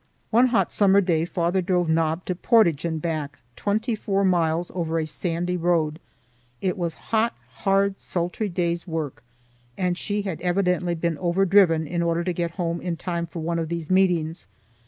One hot summer day father drove Nob to Portage and back, twenty four miles over a sandy road. It was a hot, hard, sultry day's work, and she had evidently been over driven in order to get home in time for one of these meetings.